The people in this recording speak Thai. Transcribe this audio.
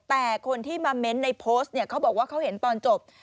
แต่คนที่มาเม้นต์ในโพสต์เนี่ยเขาบอกว่าเขาเห็นตอนจบ